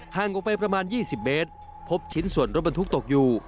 ออกไปประมาณ๒๐เมตรพบชิ้นส่วนรถบรรทุกตกอยู่